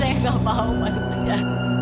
enggak pak aku masuk ke sana